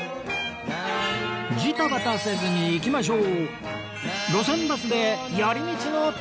ジタバタせずにいきましょう